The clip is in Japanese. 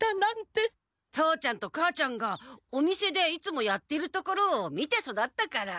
父ちゃんと母ちゃんがお店でいつもやっているところを見て育ったから。